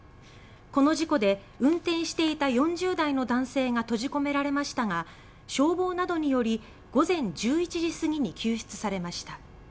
この事故で運手席にいた４０代の男性が閉じ込められましたが消防などにより午前１１時すぎに救出されました。